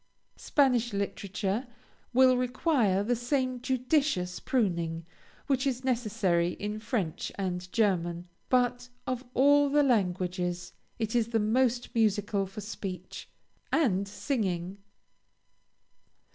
Spanish literature will require the same judicious pruning which is necessary in French and German, but of all languages, it is the most musical for speech, and singing.